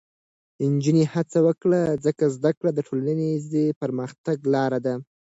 نجونې هڅه وکړي، ځکه زده کړه د ټولنیز پرمختګ لاره ده.